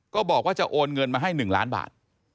ก็บอกว่าจะโอนเงินมาให้๑ล้านบาท